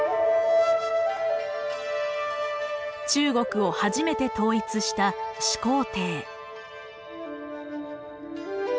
中国を初めて統一した始皇帝。